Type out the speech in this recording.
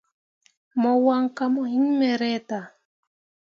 Mo wan kah mo hiŋ me reta.